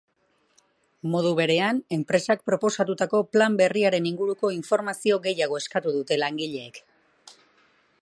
Modu berean, enpresak proposatutako plan berriaren inguruko informazio gehiago eskatu dute langileek.